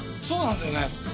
そうなんだよね。